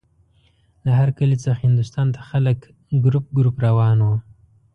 له هر کلي څخه هندوستان ته خلک ګروپ ګروپ روان وو.